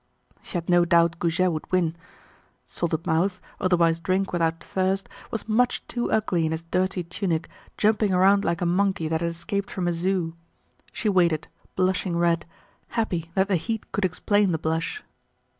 She had no doubt Goujet would win. Salted Mouth, otherwise Drink without Thirst, was much too ugly in his dirty tunic, jumping around like a monkey that had escaped from a zoo. She waited, blushing red, happy that the heat could explain the blush.